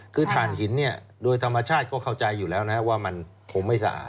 คือฐานหินเนี่ยโดยธรรมชาติก็เข้าใจอยู่แล้วนะว่ามันคงไม่สะอาด